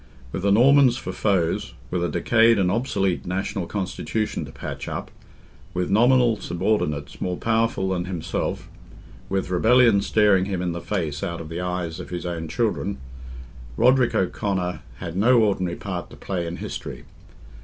With the Normans for foes—with a decayed and obsolete national constitution to patch up—with nominal subordinates more powerful than himself—with rebellion staring him in the face out of the eyes of his own children—Roderick O'Conor had no ordinary part to play in history.